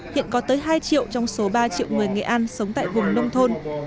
hiện có tới hai triệu trong số ba triệu người nghệ an sống tại vùng nông thôn